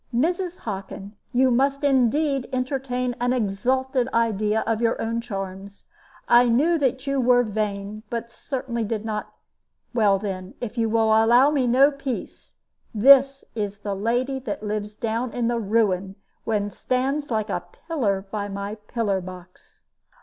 "Mrs. Hockin, you must indeed entertain an exalted idea of your own charms. I knew that you were vain, but certainly did not Well, then, if you will allow me no peace, this is the lady that lives down in the ruin, and stands like a pillar by my pillar box."